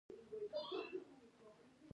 دوی به هغو ته ډیر کارونه ویشل.